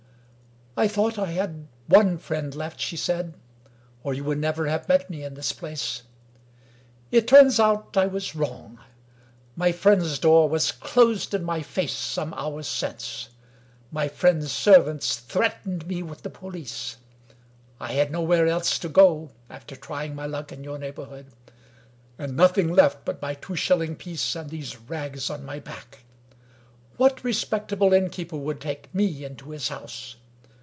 " I thought I had one friend left," she said, " or you would never have met me in this place. It turns out I was wrong. My friend's door was closed in my face some 240 Wilkie Collins hours since; my friend's servants threatened me with the police. I had nowhere else to go, after trying my luck in your neighborhood; and nothing left but my two shilling piece and these rags on my back. What respectable inn keeper would take me into his house?